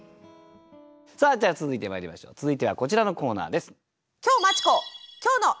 さあでは続いてまいりましょう続いてはこちらのコーナーです。